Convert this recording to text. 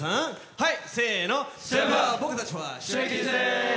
はい！